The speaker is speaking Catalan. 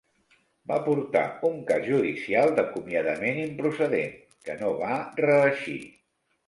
Va portar un cas judicial d'acomiadament improcedent, que no va reeixir.